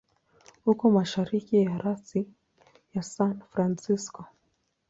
Uko mashariki ya rasi ya San Francisco.